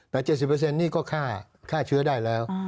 แต่๗๐นี่ก็ฆ่าเชื้อได้แล้ว